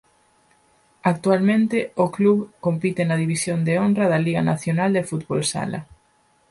Actualmente o club compite na División de Honra da Liga Nacional de Fútbol Sala.